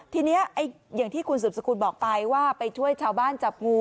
ทีนี้อย่างที่คุณสืบสกุลบอกไปว่าไปช่วยชาวบ้านจับงู